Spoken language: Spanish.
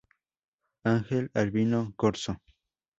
Ángel Albino Corzo.